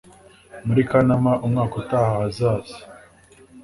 muri Kanama umwaka utaha azaza